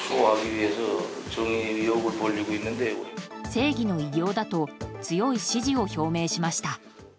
正義の偉業だと強い支持を表明しました。